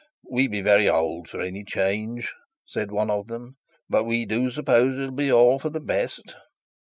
'We be very old for any change,' said one of them; 'but we do suppose it be all for the best.'